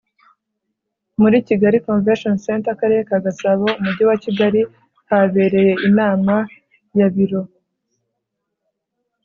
muri kigali convention center, akarere ka gasabo, umujyi wa kigali habereye inama ya biro